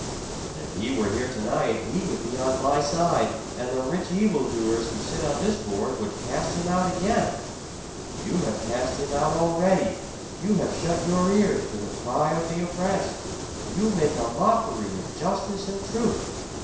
And if He were here tonight He would be on my side and the rich evil doers who sit on this board would cast Him out again! You have cast Him out already! You have shut your ears to the cry of the oppressed you make mockery of justice and truth!